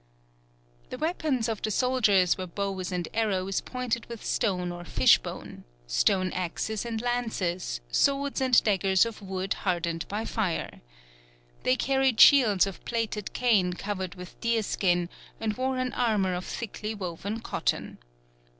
The weapons of the soldiers were bows and arrows pointed with stone or fishbone, stone axes, and lances, swords and daggers of wood hardened by fire. They carried shields of plaited cane covered with deer skin, and wore an armour of thickly woven cotton.